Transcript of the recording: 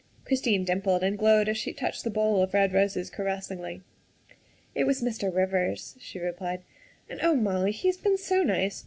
Christine dimpled and glowed as she touched the bowl of red roses caressingly. " It was Mr. Rivers," she replied, " and oh, Molly, he has been so nice.